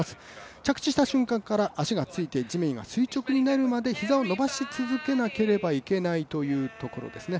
着地した瞬間から足がついて地面が垂直になるまで膝を伸ばし続けなければいけないというところですね。